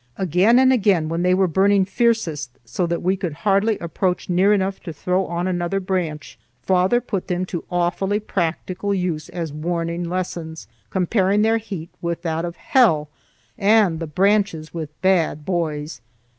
Again and again, when they were burning fiercest so that we could hardly approach near enough to throw on another branch, father put them to awfully practical use as warning lessons, comparing their heat with that of hell, and the branches with bad boys.